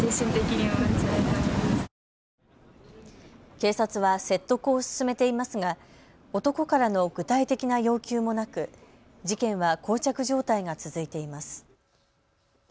警察は説得を進めていますが、男からの具体的な要求もなく事件はこう着状態が続いています。